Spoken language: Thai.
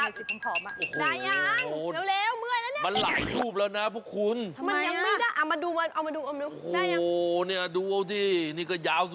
สวยหรือยังสวยหรือยัง